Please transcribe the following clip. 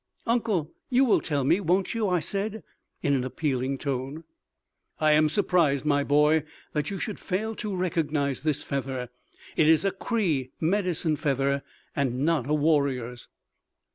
"Uncle, you will tell me, won't you?" I said, in an appealing tone. "I am surprised, my boy, that you should fail to recognize this feather. It is a Cree medicine feather, and not a warrior's."